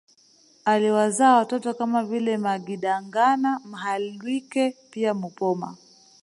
Aliwazaa watoto kama vile Magidangana Mhalwike pia Mupoma